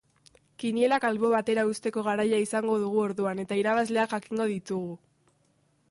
Kinielak albo batera uzteko garaia izango dugu orduan eta irabazleak jakingo ditugu.